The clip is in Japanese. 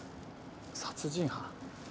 殺人犯？